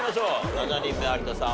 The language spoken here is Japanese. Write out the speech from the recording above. ７人目有田さん